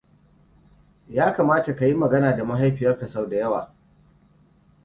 Yakamata kayi magana da mahaifiyarka sau da yawa.